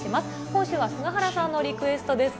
今週は菅原さんのリクエストです。